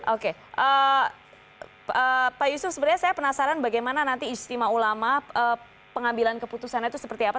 oke pak yusuf sebenarnya saya penasaran bagaimana nanti istimewa ulama pengambilan keputusannya itu seperti apa